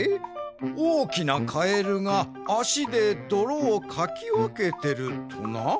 おおきなカエルがあしでどろをかきわけてるとな？